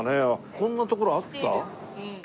こんな所あった？